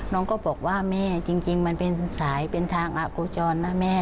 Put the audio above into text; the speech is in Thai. น้องก็บอกว่าแม่จริงมันเป็นสายเป็นทางอโคจรนะแม่